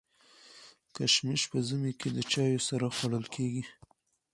کشمش په ژمي کي د چايو سره خوړل کيږي.